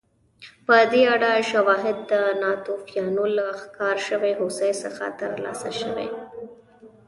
په دې اړه شواهد د ناتوفیانو له ښکار شوې هوسۍ څخه ترلاسه شوي